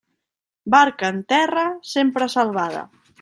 Barca en terra, sempre salvada.